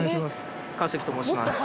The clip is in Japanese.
川崎と申します